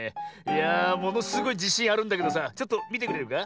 いやあものすごいじしんあるんだけどさちょっとみてくれるか？